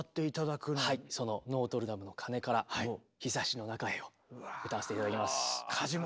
その「ノートルダムの鐘」から「陽ざしの中へ」を歌わせて頂きます。